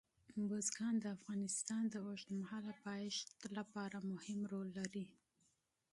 بزګان د افغانستان د اوږدمهاله پایښت لپاره مهم رول لري.